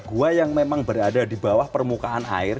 gua yang memang berada di bawah permukaan air